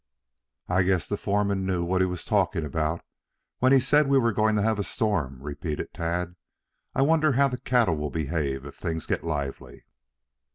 "I guess the foreman knew what he was talking about when he said we were going to have a storm," repeated Tad. "I wonder how the cattle will behave if things get lively."